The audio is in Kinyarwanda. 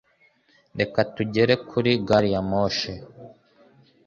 Reka tugere kuri gariyamoshi